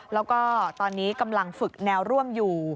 แล้วก็ตอนนี้กำลังฝึกแนวร่วมอยู่